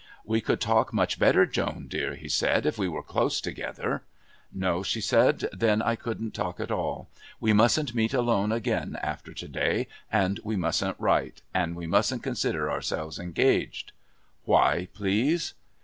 "We could talk much better, Joan dear," he said, "if we were close together." "No," she said; "then I couldn't talk at all. We mustn't meet alone again after to day, and we mustn't write, and we mustn't consider ourselves engaged." "Why, please?"